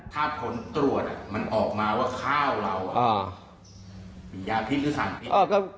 ถ้าผลตรวจมันออกมาว่าข้าวเรามียาพิษหรือสั่งพิษ